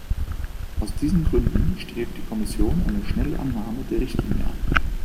Aus diesen Gründen strebt die Kommission eine schnelle Annahme der Richtlinie an.